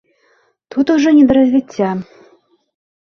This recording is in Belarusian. Тут ужо не да развіцця.